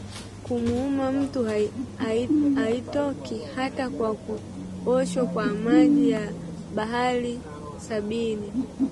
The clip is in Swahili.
kumuuma mtu haitoki hata kwa kuoshwa kwa maji ya bahari sabini